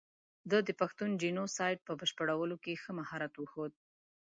ده د پښتون جینو سایډ په بشپړولو کې ښه مهارت وښود.